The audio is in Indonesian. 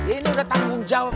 ini udah tanggung jawab